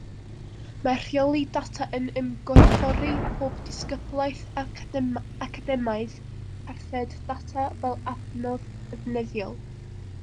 Mae rheoli data yn ymgorffori pob disgyblaeth academaidd parthed data fel adnodd defnyddiol.